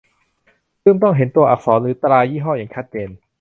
ซึ่งต้องเห็นตัวอักษรหรือตรายี่ห้ออย่างชัดเจน